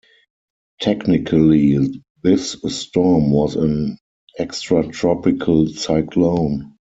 Technically, this storm was an extratropical cyclone.